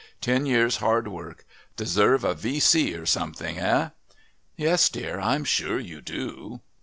Ten years' hard work. Deserve a V.C. or something. Hey?" "Yes, dear, I'm sure you do."